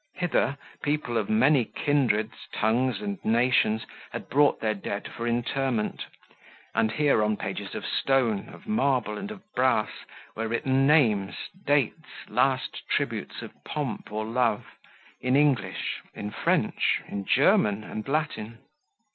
Hither people of many kindreds, tongues, and nations, had brought their dead for interment; and here, on pages of stone, of marble, and of brass, were written names, dates, last tributes of pomp or love, in English, in French, in German, and Latin.